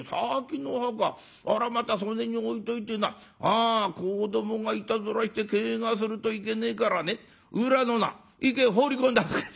あらまたそでに置いといてな子どもがいたずらしてけがするといけねえからね裏のな池へ放り込んだ」。